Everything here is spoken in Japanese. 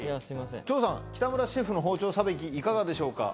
張さん、北村シェフの包丁さばき、いかがでしょうか。